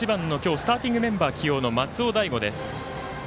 スターティングメンバー起用の松尾大悟です。